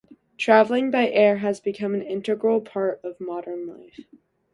Travelling by air has become an integral part of modern life.